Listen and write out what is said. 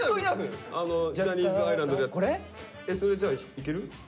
それじゃあいける？